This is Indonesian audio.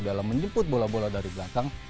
dalam menjemput bola bola dari belakang